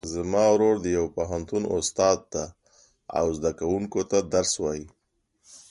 زما ورور د یو پوهنتون استاد ده او زده کوونکو ته درس وایي